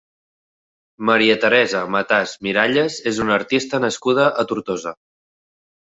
Maria Teresa Matas Miralles és una artista nascuda a Tortosa.